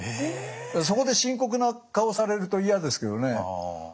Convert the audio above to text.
そこで深刻な顔されると嫌ですけどね。